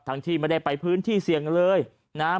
ทั้งที่ไม่ได้ไปพื้นที่เซียงเลยนะครับ